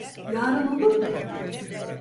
Yarın olur mu?